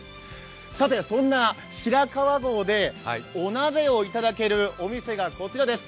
さて、そんな白川郷でお鍋をいただけるお店がこちらです。